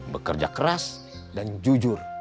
bekerja keras dan jujur